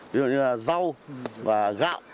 ví dụ như là rau và gạo